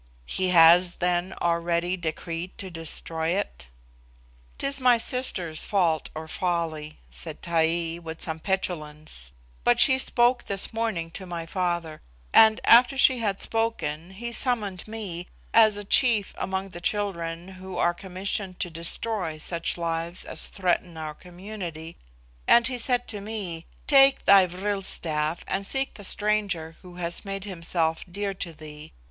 "He has, then, already decreed to destroy it?" "'Tis my sister's fault or folly," said Taee, with some petulance. "But she spoke this morning to my father; and, after she had spoken, he summoned me, as a chief among the children who are commissioned to destroy such lives as threaten the community, and he said to me, 'Take thy vril staff, and seek the stranger who has made himself dear to thee.